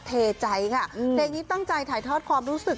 เทใจค่ะเพลงนี้ตั้งใจถ่ายทอดความรู้สึก